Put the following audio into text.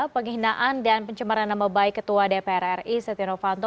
penghinaan dan pencemaran nama baik ketua dpr ri setinovanto